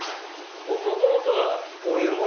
もともとはこういう物が。